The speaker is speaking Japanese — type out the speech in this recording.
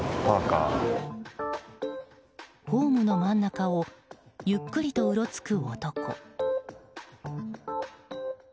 ホームの真ん中をゆっくりとうろつく男。